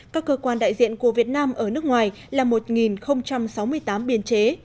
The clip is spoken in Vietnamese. các cơ quan đại diện của việt nam ở nước ngoài là một sáu mươi tám biên chế